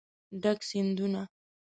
ډک سیندونه